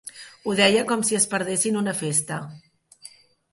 Ho deia com si es perdessin una festa.